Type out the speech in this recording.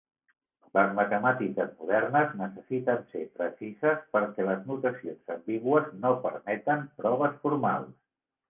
Les matemàtiques modernes necessiten ser precises, perquè les notacions ambigües no permeten proves formals.